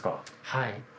はい。